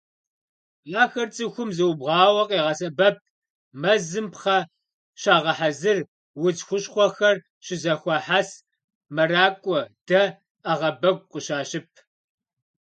Ахэр цӀыхум зыубгъуауэ къегъэсэбэп: мэзым пхъэ щагъэхьэзыр, удз хущхъуэхэр щызэхуахьэс, мэракӀуэ, дэ, Ӏэгъэбэгу къыщащып.